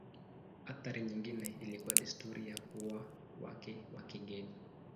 Athari nyingine ilikuwa desturi ya kuoa wake wa kigeni.